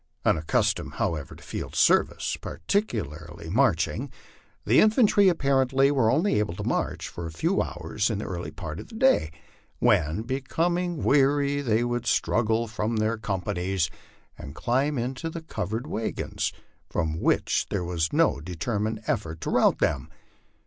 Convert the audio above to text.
Unaccustomed, however, to field service, particularly marching, the infantry apparently were only able to march for a few hours in the early part of the day, when, becoming weary, they would straggle from their companies and climb into the covered wagons, from which there was no determined effort to rout them.